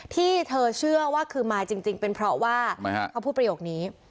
ที่เธอเชื่อว่าคือมาจริงเป็นเพราะว่าเขาพูดประโยคนี้